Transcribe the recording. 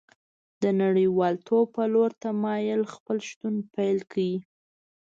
د نړیوالتوب په لور تمایل خپل شتون پیل کړی